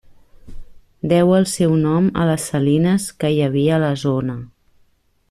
Deu el seu nom a les salines que hi havia a la zona.